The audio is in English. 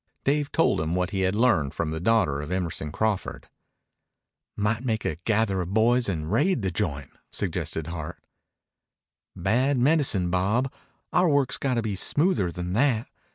Dave told him what he had learned from the daughter of Emerson Crawford. "Might make a gather of boys and raid the joint," suggested Hart. "Bad medicine, Bob. Our work's got to be smoother than that.